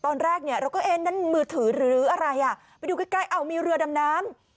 ตอนแรกเนี่ยเราก็เอ๊ะนั่นมือถือหรืออะไรอ่ะไปดูใกล้ใกล้เอามีเรือดำน้ำ